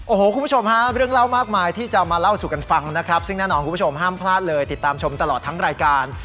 โอ้โหคุณผู้ชมฮะเรื่องเล่ามากมายที่จะมาเล่าสู่กันฟังนะครับซึ่งแน่นอนคุณผู้ชมห้ามพลาดเลยติดตามชมตลอดทั้งรายการ